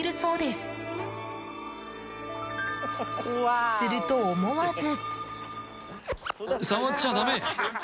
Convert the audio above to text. すると、思わず。